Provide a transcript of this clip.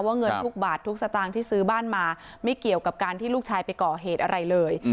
เงินทุกบาททุกสตางค์ที่ซื้อบ้านมาไม่เกี่ยวกับการที่ลูกชายไปก่อเหตุอะไรเลย